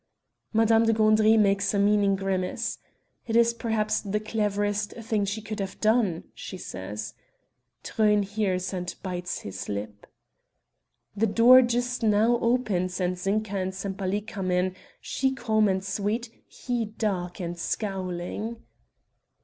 Madame de Gandry makes a meaning grimace. "It is perhaps the cleverest thing she could have done," she says. Truyn hears and bites his lip. The door just now opens and Zinka and Sempaly come in; she calm and sweet, he dark and scowling.